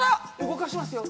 動かしますよ。